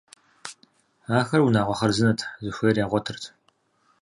Ахэр унагъуэ хъарзынэт, захуейр ягъуэтырт.